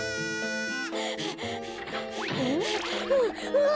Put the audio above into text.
うわ！